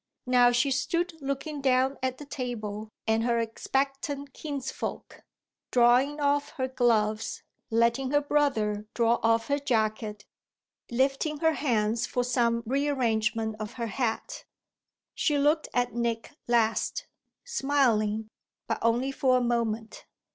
Now she stood looking down at the table and her expectant kinsfolk, drawing off her gloves, letting her brother draw off her jacket, lifting her hands for some rearrangement of her hat. She looked at Nick last, smiling, but only for a moment.